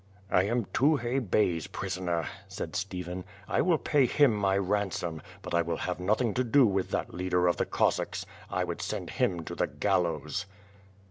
"I am Tukhay Be/s prisoner," said Stephen, "I will pay him my ransom, but I will have nothing to do with that leader of the Cossacks. I would send him to the gallows."